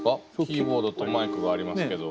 キーボードとマイクがありますけど。